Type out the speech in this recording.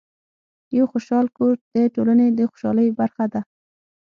یو خوشحال کور د ټولنې د خوشحالۍ برخه ده.